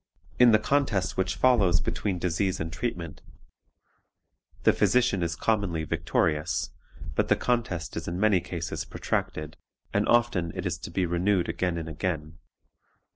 In the contest which follows between disease and the treatment, the physician is commonly victorious, but the contest is in many cases protracted, and often it is to be renewed again and again.